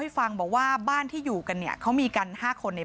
พี่น้องของผู้เสียหายแล้วเสร็จแล้วมีการของผู้เสียหาย